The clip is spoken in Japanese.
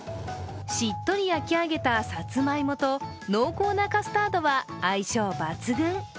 しっとり焼き上げたさつまいもと濃厚なカスタードは相性抜群。